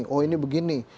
oh ini begini